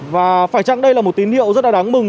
và phải chăng đây là một tín hiệu rất là đáng mừng